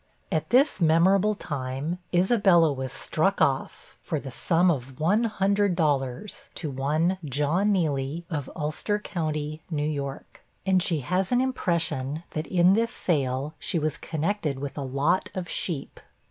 At this memorable time, Isabella was struck off, for the sum of one hundred dollars, to one John Nealy, of Ulster County, New York; and she has an impression that in this sale she was connected with a lot of sheep.